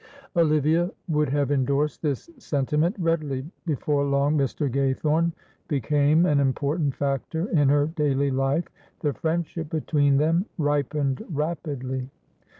Olivia would have indorsed this sentiment readily; before long Mr. Gaythorne became an important factor in her daily life, the friendship between them ripened rapidly.